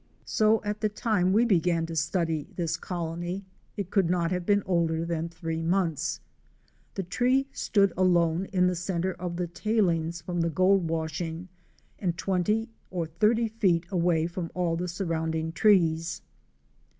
So at the time we began to study this colony, it could not have been older than three months. The tree stood alone in the centre of the tailings from the gold washing and 20 or 30 feet away from all the sur rounding trees.